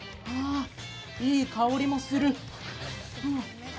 いい香りもする。